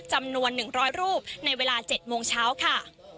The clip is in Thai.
จำนวน๑๐๐รูปในเวลา๗โมงเช้าค่ะ